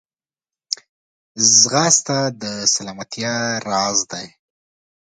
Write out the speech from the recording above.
ځغاسته د سلامتیا راز دی